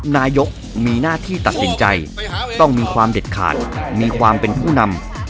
นายกมีหน้าที่ตัดสินใจต้องมีความเด็ดขาดมีความเป็นผู้นำ